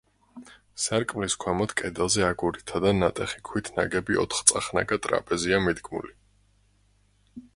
სარკმლის ქვემოთ, კედელზე, აგურითაა და ნატეხი ქვით ნაგები ოთხწახნაგა ტრაპეზია მიდგმული.